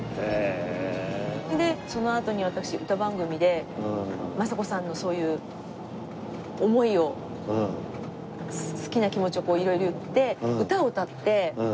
それでそのあとに私歌番組で昌子さんのそういう思いを好きな気持ちを色々言って歌を歌って。